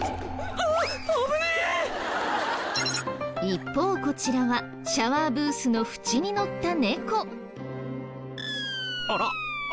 一方こちらはシャワーブースの縁にのった猫。